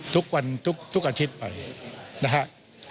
ทุกวันทุกอาทิตย์ไปนะฮะ